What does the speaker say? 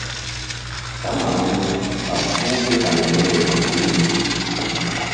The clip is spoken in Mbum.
Kamaru ɓa puh ké haŋsekle afirik.